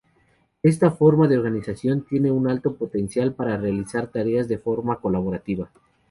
Esta forma de organización tiene un alto potencial para realizar tareas de forma colaborativa.